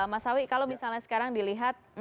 mas sawi kalau misalnya sekarang dilihat